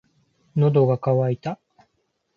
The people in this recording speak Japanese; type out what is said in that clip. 喉が渇いた。